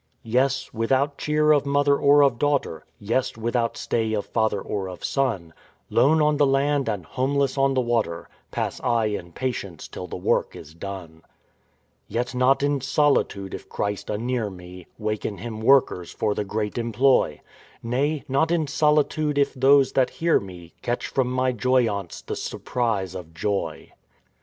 Yes, without cheer of mother or of daughter, Yes, without stay of father or of son, Lone on the land and homeless on the water, Pass I in patience till the work is done. Yet not in solitude if Christ anear me Waken him workers for the great employ, Nay, not in solitude if those that hear me Catch from my joyaunce the surprise of joy."